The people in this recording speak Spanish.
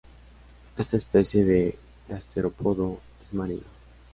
Esta especie de gasterópodo es marina.